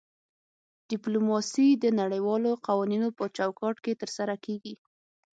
ډیپلوماسي د نړیوالو قوانینو په چوکاټ کې ترسره کیږي